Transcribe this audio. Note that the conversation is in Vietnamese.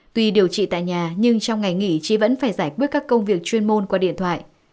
tuy điều trị tại nhà nhưng trong ngày nghỉ chị vẫn phải giải quyết các công việc chuyên môn qua điện thoại